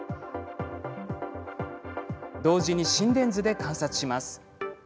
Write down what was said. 同時に、心電図で観察します。